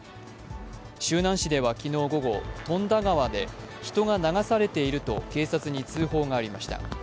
周南市では昨日午後、富田川で人が流されていると警察に通報がありました。